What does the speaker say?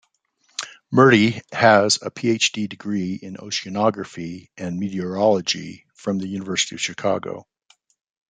Murty has a PhD degree in oceanography and meteorology from the University of Chicago.